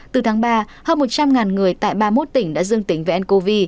từ tháng ba hơn một trăm linh người tại ba mươi một tỉnh đã dương tính với ncov